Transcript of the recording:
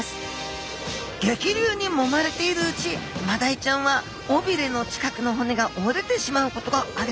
激流にもまれているうちマダイちゃんは尾びれの近くの骨が折れてしまうことがあります。